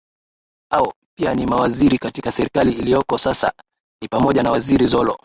ao pia ni mawaziri katika serikali ilioko sasa ni pamoja na waziri zolo